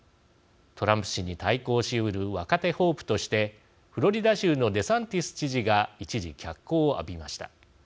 トランプ氏に対抗しうる若手ホープとしてフロリダ州のデサンティス知事が一時、脚光を浴びました。